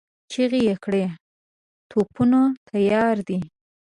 چيغه يې کړه! توپونه تيار دي؟